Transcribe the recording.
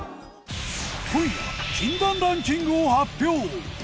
今夜禁断ランキングを発表。